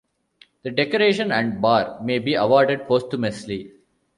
The decoration and bar may be awarded posthumously.